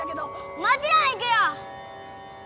もちろん行くよ！